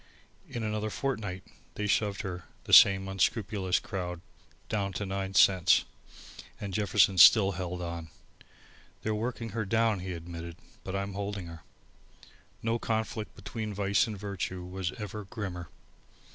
In another fortnight they shoved her, the same unscrupulous crowd, down to nine cents, and Jefferson still held on. "They're working her down," he admitted, "but I'm holding her." No conflict between vice and virtue was ever grimmer.